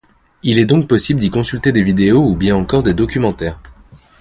Il est donc possible d'y consulter des vidéos ou bien encore des documentaires.